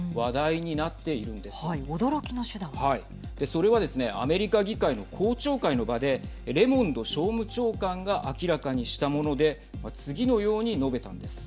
それはですねアメリカ議会の公聴会の場でレモンド商務長官が明らかにしたもので次のように述べたんです。